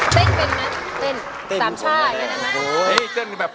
เต้นหรือเปล่าอย่างนี้ได้ไหม